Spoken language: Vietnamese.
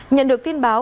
nhận được tin báo